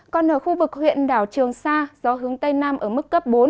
còn ở khu vực huyện đảo trường sa gió hướng tây nam ở mức cấp bốn